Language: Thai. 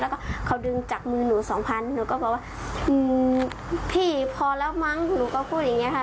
แล้วก็เขาดึงจากมือหนูสองพันหนูก็บอกว่าอืมพี่พอแล้วมั้งหนูก็พูดอย่างเงี้ค่ะ